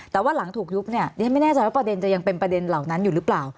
แต่ว่าหลังถูกยุบเนี่ยดิฉันไม่แน่ใจว่าประเด็นจะยังเป็นประเด็นเหล่านั้นอยู่หรือเปล่า